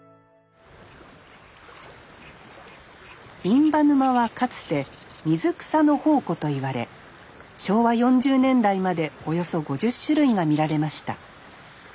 印旛沼はかつて水草の宝庫といわれ昭和４０年代までおよそ５０種類が見られました。